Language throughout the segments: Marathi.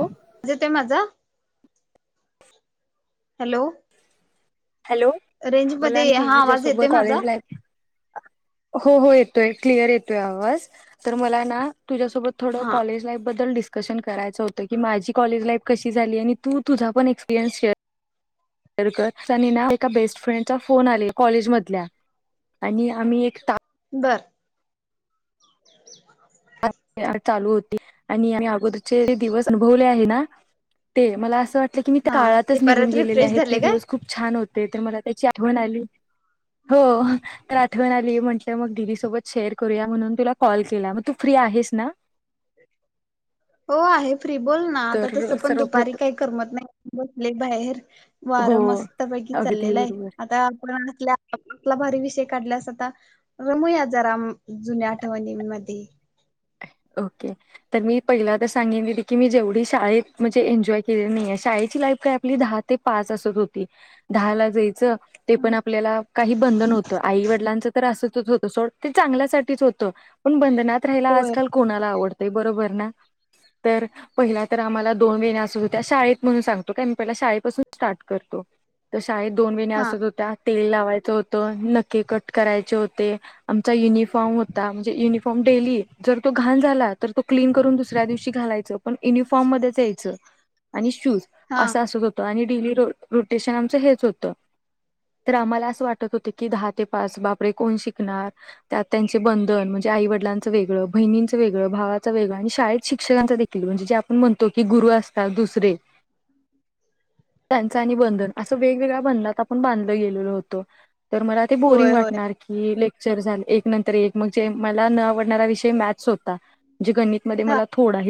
आवाज येतोय माझा. हॅलो. हॅलो रेंज बला ना मध्ये हा आवाज तच्यासोबत येतोय माझा कॉलेज लाईफ. हो हो येतोय क्लियर येतोय आवाज तर मला ना. तुझसोबत थोड हा कॉलेज लाईफ बद्दल दि न करायच होतं की माझी कॉलेज लाईफ कशी झाली आणि तू तुझा पण एक्सपिरिय्स शेअर. त्याने ना एका बेस्ट फ्रेंड चा फोन आलेला कॉलेजमधल्या आम्ही एक टाक बरं. [inaudible] आरती चालू होती आणि आम्ही अगोदरचे दिवस अनुभवले आहे ना ते मला असं वाटतं. की ते तुम्ही हा ते काळातच निघून परत गेलेले रिफ्रेश आहेत झाले ते काय दिवस खूप छान होते. ते तर मला त्याची आठवण हो तर आठवण आली म्हटल्यावर दीदी सोबत शेअर करूया म्हणून तुला कॉल केला. फ्री आहेस ना. हो आहे. फ्री बोल ना आता तस तर पण दुपारी सर्वप्रथम काही करमत नाही बसले बाहेर हो वार मस्तपैकी अगदी चाललेल हाय बरोबर आता मस्त आपण आपला भारी विषय काढलेला आहे. आता रमुया जरा जुन्या आठवणींमध्ये ओके तर मी पहिल्यांदाच सांगितले होते की जेवढी शाळेत म्हणजे जेवढे एन्जॉय केलेली नाहीये शाळेची लाईफ काय आपली दहा ते पाच तासात होती दहा ला जायचं ते पण आपल्याला काही बंधन नव्हतं आई-वडिलांचा असंच होतं ते सोड जे होतं ते चांगल्यासाठीच होतं पण बंधनात. राहिला आज. होय काल कोणाला आवड. हे बरोबर ना तर पहिला तर आम्हाला दोन वेण्या असं होत्या शाळेत म्हणून सांगतो पहिल्या शाळेपासून स्टार्ट करतो तर शाळेत दोन वेण्या हा असत होत्या तेल लाव. व्हायचं होतं नख कट करायचे होते आमचा युनिफॉर्म होता म्हणजे युनिफॉर्म डेली जर तो घाण झाला तर तो क्लीन करून दुसऱ्या दिवशी घालायचं पण युनिफॉर्म मध्ये यायचं आणि शूज हा असा असत होत आणि. डेली रोटेशन आमचे हेच होतं तर आम्हाला असं वाटत होतं अरे बापरे दहा ते पाच त्यात त्यांचे बंधन आई-वडिलांचे वेगळं बहिणींचं वेगळं भावांचे वेगळं आणि शाळेत शिक्षकांचा जे आपण म्हणतो. की गुरु असतात दुसरे त्यांच आणि बंधन असं वेगवेगळ्या बंधनात आपण बांधलं गेलेलो होत. [inaudible] तर मला ते बोरिंग होय होय वाटणार की लेक्चर झालं एक नंतर एक मग जे मला न आवडणारा विषय. मॅक्स होता जे गणित मध्ये हा मला थोडा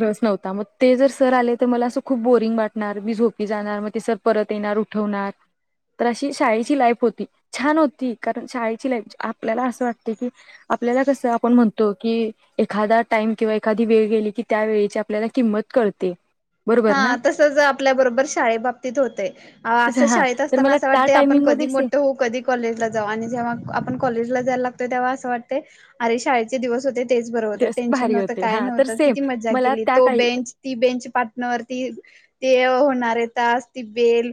रस नव्हता ते सर जर आले तर मला बोरिंग वाटणार मी झोपणार मी जाणार मग ते सर परत येणार उठवणार तर अशी शाळेची लाईफ होती छाक. छान होती एकदा शाळेची लाईफ आपल्याला असं वाटतं की आपल्याला कस आपण म्हणतो. हो की एखादा टाईम किंवा एखादी वेळ गेली की त्यावेळी आपल्याला किंमत कळते. बरोबर ना हा तसंच आपल्याबरोबर शाळे बाबतीत होते अच्छा असे हा शाळेत तर असताना मला असे त्या वाटते आपण कधी टायमिंगमध्ये सेम मोठे होऊ कधी कॉलेजला जाऊ आणि जेव्हा आपण कॉलेजला जायला लागतं तेव्हा असं वाटतं अरे शाळेचे दिवस होते. हेच बरोबर तेच टेन्शन भारी नव्हतं होते काय हा तर नव्हतं सेम किती मज्जा मला केली त्या तो काही बेंच ती बेंच पात वरती ते होणारे तास ती बेल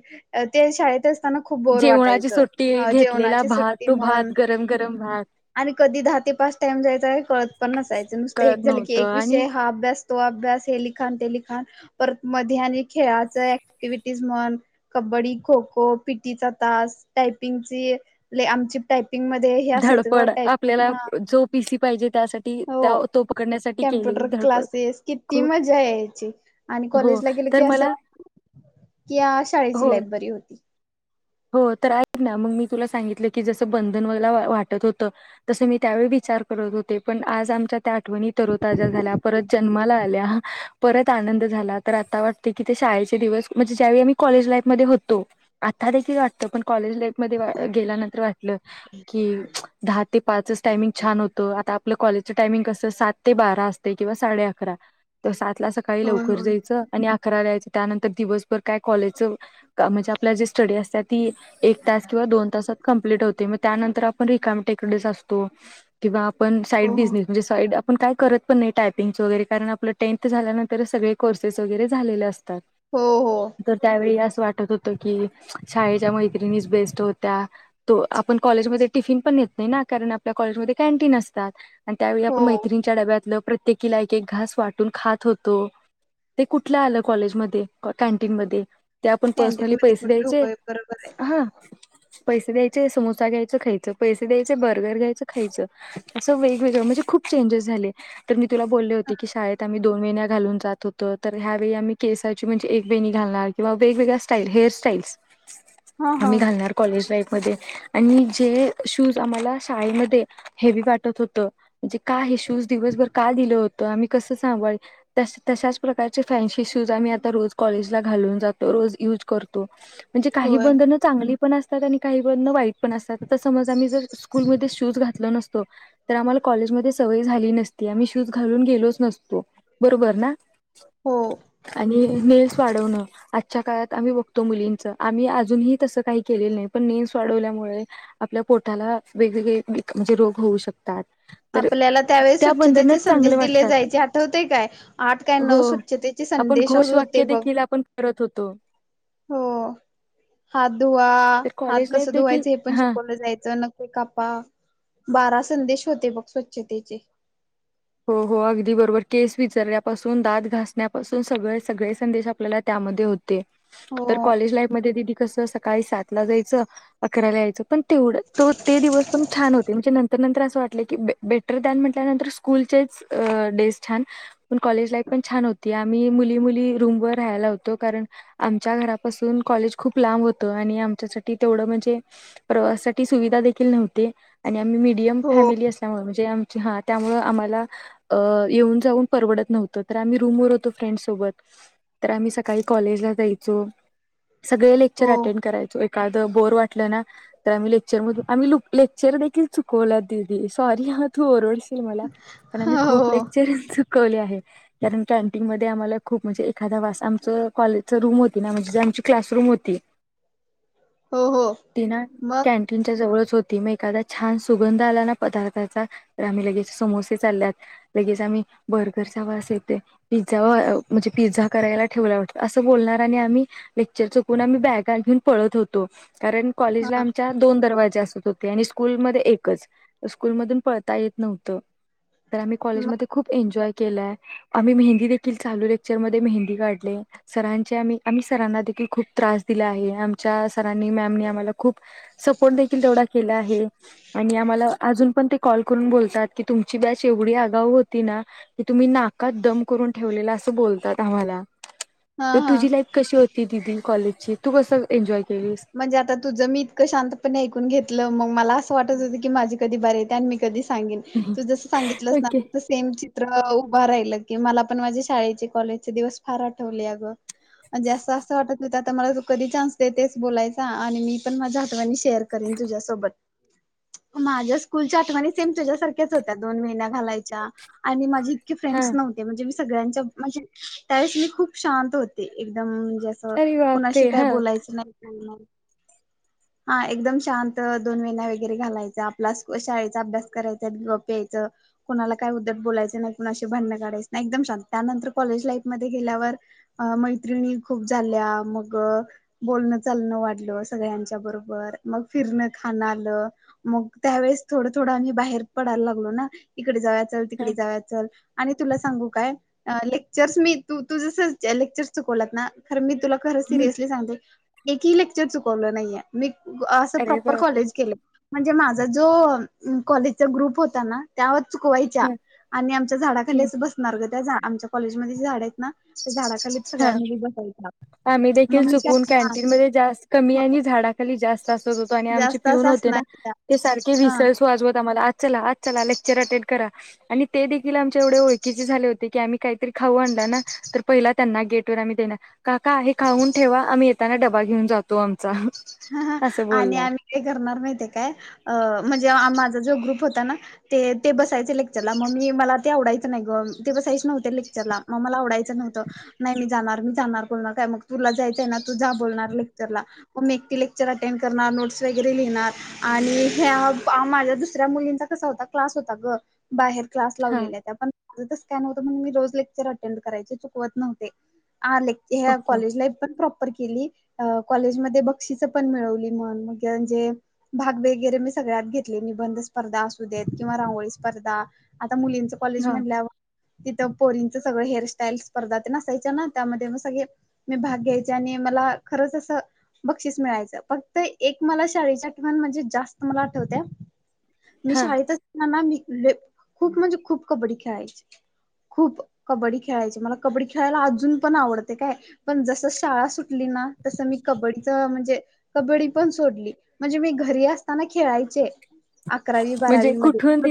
ते शाळेतच. त्यांना खूप बोर जेवणाची सुट्टी वाटायचं घेतलेला जेवणाची भात सुट्टी तो म्हण भात गरम गरम भात आणि कधी दहा ते पाच टाईम जायचा कळत आणि कळत पण नसायचं एक कळत झालं का एक नव्हतं एक आणि विषय हा अभ्यास तो अभ्यास हे लिखान ते लिखान परत मध्ये आणि खेळाच ऍक्टिव्हटीज म्हण कबड्डी खो खो पीटीचा तास टायपिंगची लय आमची टायपिंग मध्ये हे असायचं ग धडपड टाईप आपल्याला हा जो पिसी पाहिजेत हो कम्प्युटर धडपड क्लासेस किती खूप मजा यायची आणि हो कॉलेजला गेले तर की मला शाळेची हो लाईफ बरी हो तर आहेत ना मग मी तुला सांगितलं की जसं बंधन वला वाटत होतं तसं मी त्यावेळी विचार करत होते पण आज आमच्या त्या आठवणी तररोताजा झाल्या परत जन्माला आल्या परत आनंद झाला तर आता वाटते की ते शाळेचे दिवस म्हणजे ज्यावेळी आम्ही कॉलेज लाईफमध्येध्ये होतो देखील वाटतं पण कॉलेज गेल्यानंतर वाट की दहा ते पाचच टायमिंग छान होत आ आपलं कॉलेज सात ते बरा किंवा साडे अकरा सकाळी होय लवकर होय जायचं आणि रायलायचे त्यानंतर दिवस काय कॉलेज च म्हणजे आपला त्यासाठी एक तस किंवा व दोन तासात कॉमलीट होतय त्या नन्तर आपण रिकामं तेकडेच असतो तेव्हा पण साईड हो हो. बिझनेस म्हणजे साईड पण काय करत पण नाही टायपिंगचं वगैरे कारण आपलं टेन्थ झाल्यानंतर सगळे कोर्सेस वगैरे झाले असतते हो हो तर त्यावेळी असं वाटत होत तो की शाळेच्या मैत्रिणी बेस्ट होत्या तो आपण कॉलेजमध्ये टिफिन पण नेत नाही ना कारण आपल्या कॉलेजमध्ये कॅन्टीन असतात आणि त्यावेळी आपण हो मैत्रीणीच्या डब्यातल ते किला एक एक घास वाटून खात होतो ते कुठल्या आलं कॉलेजमध्येध्ये कॅन्टीन मध्ये ते आपण कॅन्टीन पर्सनली मध्ये पैसे द्या कुठले जे होय बरोबर आहे. ह पैसे द्यायचे समोसा घ्यायचं खायचं पैसे द्यायचे बर्गर घ्यायचं खायचं असं वेगवेगळं म्हणजे खूप चेंजेस झाले तर मी तुला बोलले होती की शळेत आम् दोन वेन्या घालून जात होतं तर ह्यावेेळी आम्ही केसाची म्हणजे एक वेणी घालणार किंवा वेगवेगळ्या स्टाईल हेअर स्टाईल्स हा हा आम्ही घालणार कॉलेज लाईफ म आणि जे शूज आम्हाला शाळेमध्ये हेवी वाटत होत म्हणजे का हे शूज दिवसभर का दिलं होत आम्ही कसं सांभा तशच प्रकारचे फॅन्सी शूज आम्ही आता रोज कॉलेज घालून जातो रोज यूज करतो म्हणजे काही होय बंधन चांगली पण असतात आणि काही वाईट असतात आता समज आम्ही जर स्कूल म शूज घातलो नसतो तर आम्हाला कॉलेजमध्ये सवय झाली नसते त आम्ही शूज घालून गलोच नसो बरोबर ना हो. आणि नेस वाढवण च्या काळात आम्ही बघतो मुलींचा आम्ही अजूनही तसं काही केलेलं नाही. पण नेलस वाढवल्यामुळे आपल्या पोटाला वेगवेगळे म्हणजे रोग होऊ शकतात. तर आपल्याला त्यावेळेस त्या बंधनच स्वच्छतेचे चांगले संदेश दिले वाटतात जायचे आठवते काय. हो आठ-काय-नऊ स्वच्छतेचे संदेश होते बघ. तो. हो. हात धुवा. तर हात कॉलेज कस लाईफ देखील धुवायचं हे पण हा शिकवलं जायचं. नक् कापा बारा संदेश होते बघ स्वच्छतेचे हो. हो. अगदी बरोबर केस विचारण्यापासून. दात घासण्यापासून सगळे-सगळे संदेश आपल्याला त्यामध्ये होते हो. कॉलेज लाईफ दीदी कसं सकाळी सातला जायचं. अकराला यायचं. पण तेवढं त ते दिवस पण छान होते. म्हणजे नंतर-नंतर असं वाटल की बेटर म्हटल्यानंतर शाळेचा गणवेश छान पण, महाविद्यालयाचे जीवन, पण छान होते. आम्ही मुली -मुली रूमवरर राहायला होतो कारण आमच्या घरापासून कॉलेज खूप लांब होत. आणि आमच्यासाठी तेवढं म्हणजे प्रवासासाठी सुविधा देखील नव्हती आणि मध्यमवर्गीय हो कुटुंबातली असल्यामुळे ते आमच्या हा त्यामुळं आम्हाला अ येऊन जाऊन परवडत नव्हतं तर आम्ही रूमवर होतो फ्रेंड सोबत, तर आम्ही सकाळी कॉलेजला जायचो. सगळे लेक्चर हो अटेंड करायचो एक काय तर बोर वाट ल ना तर आम्ही लेक्चर मधु आम्ही लूक ले लेक्चर देखील चुकवले दिदी, सॉरी हा तू ओरडस शील मला. पण आम्ही हो खूप लेक्चर चु कले आहे, कारण कँटीन मध्ये आम्हाला खूप म्हणजे एखादा वास कॉलेज रूम होती ना म्हणजे आमची क्लास रूम होती हो हो ती ना मग कॅनटीनच्या जवळच होत ती मग एखादा छान सुगंध आला ना पदार्थाचा तर आम्ही लगेच समोस चालल्यात, लगेच आम्ही बर्गरचा वास येते पिझ्झा म्हणजे पिझ्झा करायला ठेवला वाटतं असं बोलणार, आणि आम्ही लेक्चर चुकून आम्ही बॅगा घेऊन पळत होतो. कारण कॉलेजला हा आमच्या दोन दरवाजे असत होत ते आणि स्कुल मध्ये एकच, स्कुलमधून पळता येत नव्हतं. तर आम्ही मग कॉलेजमध्ये खूप एन्जॉय केलाय, आम्ही मेहंदी देखील चालू लेक्चर मध्ये मेहंदी काढले, सरांचे आम आम्ही सरांना की खूप त्रास दिला आहे, आमच्या सरांनी, मॅमनी आम्हाला खूप सपोर्ट देखील तेवढा केला आहे. आणि आम्हाला अजून पण ते फोन करून बोलतात की तुमच्या ची बॅच एवढी आगाऊ होती ना की तुम्ही नाकात दम करून ठेवलेला असं बोलतात आम्हाला हा तर हा. तुझी लाईफ कशी होती दिदी कॉलेज मधली तू कशी मज्जा करतो? म्हणजे आता तुझं मी इतकं शांतपणे ऐकून घेतलं मग मला असं वाटत होते, की माझी वेळ कधी येते? आणि मी कधी बोलते. सांगेन तू जस सांगितलंस ना ओके तसं सारख चित्र उभा राहिल की मला पण माझे शाळेचे कॉलेजचे दिवस फार आठवले अगं आणि जास्त असं वाटत होतं. आता मला कधी संधी देतस? बोलाचा आणि मी पण माझ्या आठवणी तुला सांगेन, करण तुझ्यासोबत माझ्या शाळेच्या आठवाणी तुझ्यासारख्याच होत्या, दोन वेण्या घालायच्या आणि माझी इतक्या हा मैत्रिणी नव्हत्या सगळ्यांच्या म्हणजे त्यावेळेस मी खूप शांत होते, एकदम अरे कुणाशी बापरे काय हा बोलायचं नाही हा एकदम शांत दोन वेण्या वैगैरे घालायच्या, शाळेचा अभ्यास करायचा आणि गप्प यायचं, कोणाला काय उध्दट बोलायचं नाही, भांडण काढायचं नाही. त्यानंतर कॉलेज लाईफ मध्ये गेल्यावर मैत्रिणी खूप झाल्या, मग बोलण- चालण वाढलं, सगळ्यांच्या बरोबर मग फिरण खाण आलं मग त्यावेेळेस थोडं-थोडं आम्ही बाहेर पडायला लागलो, ना इकडे जाव- तिकडे हा. जाव चल, आणि तुला सांगू काय? लेक्चर्स मी तू तू जस लेक्चर चुकवल्या ना खर मी तुला खरंच हं. सिरियसली सांगते एकही लेक्चर चुकवलं नाहीये मी व असं अरे प्रॉपर बापरे कॉलेज केलंय म्हणजे मा झा जो काॅलेजचा ग्रूप होता ना त्या चुकवायच्या हा आणि आमच्या झाडाखाली हं. असं बसणार गं त्या झा आमच्या कॉलेजमध्ये झाडं आहेत. ना त्या झाडाखाली सगळ्या हा. मुली बसायच्या आम्ही देखील मग मी चुकून कॅन्टीन [unintelligible] मध्ये जास्त कमी आणि झाडाखाली जास्त असत होतो आणि आमचे जास्त पिऊन असं होते ना असणार ते सारखे हा विसर्स वाजवत आम्हाला आत चला आत चला लेक्चर अटेंड करा आणि ते देखील आमच्या एवढे ओळखीचे झाले होते, की आम्ही काहीतरी खाऊ आणलं ना तर पहिला त्यांना गेटवर आम्ही देणार काका हे खाऊन ठेवा, आम्ही येताना डबा घेऊन जातो आमचा हां हां असं आणि बोलणार आम्ही काय करणार माहितीय काय? अ म्हणजे माझा जो ग्रुप हो ता ते ते बस सायचे लेक्चरला म मी मला ते आवडा यचं नाही गं ते बसायचे नव्हते लेक्चरला मग मला आवडायचं नव्हतं, नाही मी जाणार मी जाणार पूर्ण काय मग तुला जायचंय ना तू जा बोलणार लेक्चरला म मी एकटी लेक्चर अटेंड करणार नोट्स वगैरे लिहणार, आणि ह्या माझ्या दुसऱ्या मुलींचा कसा होता क्लास होता गं बाहेर क्लास हा लावलेल्या त्या पण माझं तर स्कॅन होतं म्हणून मी रोज लेक्चर अटेंड करायचे चुकवत नव्हते. हा ले ओके कॉलेज लाईफ प्राप केली काॅलेज मध्ये बग बक्षिस पण मिळवली मी म्हणजे, भाग वगैरे मी सगळ्यात घेतले निबंध स्पर्धा असू देत, किंवा रांगोळी स्पर्धा. आता मुलींच कॉलेज हा म्हटल्यावर तिथं पोरीनचं सगळं हेअरस्टाईल स्पर्धा ते आसायच्या ना त्यामध्ये मग सगळे मी भाग घ्यायचे, आणि मला खरंच असं. बक्षीस मिळायचं. फक्त एक मला शाळेच्या आठवण म्हणजे जास्त मला आठवत्या, मी हा शाळेत असताना ना मी खूप म्हणजे खूप कबड्डी खेळायची. खूप कबड्डी खेळायची. मला कबड्डी खेळायला अजून पण आवडतयं काय. पण जसं शाळा सुटली ना तसं मी कबड्डी. म्हणजे कबड्डी पण सोडली. म्हणजे मी घरी असताना खेळायचे. - म्हणजे कुठून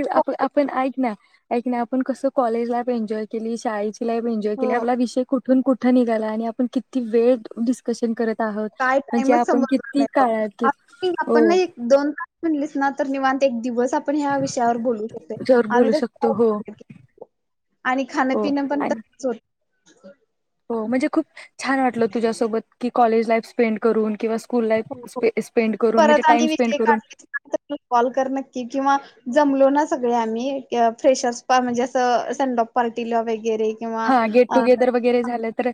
आपण ऐक ना ऐक ना आपण कसं कॉलेज लाईफ मज्जा केली. शाळेेत एंजॉय केली हो आपला विषय कुठून कुठे निघाला आणि आपण किती वेळ डिस्कशन करत. आहोत काय म्हणजे वेळच आपण समजल किती नाही काळात की बघ. हो आपण ना एक-दोन-तास म्हणलीस ना. तर निवांत एक दिवस. आपण ह्या विषयावर बोलू शकतोय. जर आम्ही बोलू शकतो हो आणि खाण हो पिनं पण आणि त्यातच होईल. [inaudible] हो म्हणजे खूप छान वाटलं तुझ्यासोबत की कॉलेज लाईफ स्पेंड करून किंवा सु [unintelligible] परत आणि स्पेंड विषय करून काढलेच [unintelligible] कॉल कर नक्की किंवा जम जामलो ना सगळे आम्ही फ्रेशर्स पा म्हणजे असं सेंड ऑफ पार्टी ला वैगे हां गेट टुगेदर वगैरे झालं तर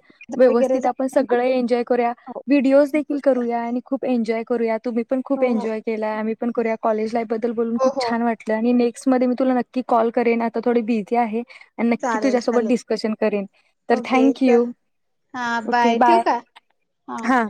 वगैरे व्यवस्थित आपण झालं ना सगळ एन्जॉय करूया हो व्हिडिओज देखील बोलूया करूया आणि खूप एन्जॉय करूयात. तुम्ही प खूप हो हो एन्जॉय केलाय आम्ह आपण करूया कॉलेज लाइफ ब द्दल बोलून हो खूप हो छान वाटलं आणि नेक नेक्स्ट मध्ये मी तुला नक्की कॉल करेन आता थोडी बिझी आहे. आणि नक्की चालेल तुझ्यासोबत चालेल डिस [unintelligible] करेन [inaudible] तर ओके चल थँक्यू हा ओके ठेवू बाय का [inaudible] हा.